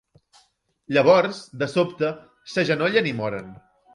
Llavors, de sobte, s'agenollen i moren.